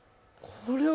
これは